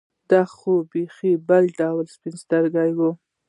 دا خو یې بېخي بل ډول سپین سترګي وه.